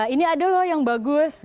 ini ada loh yang bagus